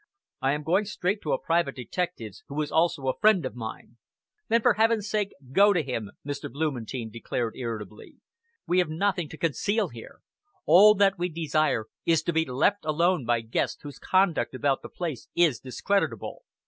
I am going straight to a private detective's, who is also a friend of mine!" "Then for Heaven's sake go to him!" Mr. Blumentein declared irritably. "We have nothing to conceal here! All that we desire is to be left alone by guests whose conduct about the place is discreditable.